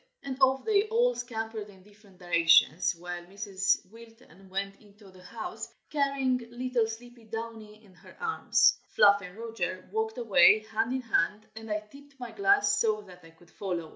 And off they all scampered in different directions, while Mrs. Wilton went into the house, carrying little sleepy Downy in her arms. Fluff and Roger walked away hand in hand, and I tipped my glass so that I could follow.